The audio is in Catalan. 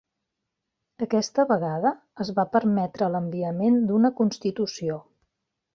Aquesta vegada, es va permetre l'enviament d'una constitució.